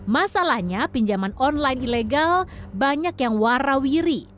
masalahnya pinjaman online ilegal banyak yang warawiri